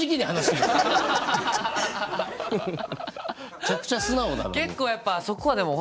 めちゃくちゃ素直だなもう。